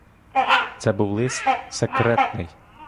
Це був лист секретний.